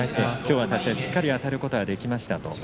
きょうは立ち合いしっかりあたることができました。